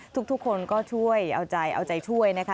ทุกคนก็ช่วยเอาใจเอาใจช่วยนะคะ